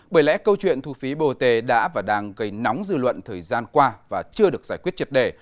bởi lẽ câu chuyện thu phí bot đã và đang gây nóng dư luận thời gian qua và chưa được giải quyết triệt đề